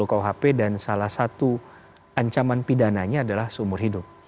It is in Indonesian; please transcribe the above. karena satu ancaman pidananya adalah seumur hidup